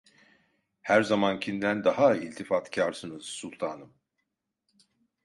Her zamankinden daha iltifatkarsınız sultanım.